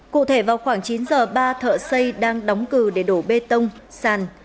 cụ thể vào khoảng chín giờ ba thợ xây đang đóng cửa để đổ bê tông sàn